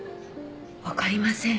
分かりません。